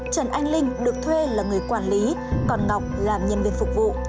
trần anh linh được thuê là người quản lý còn ngọc làm nhân viên phục vụ